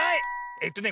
えっとね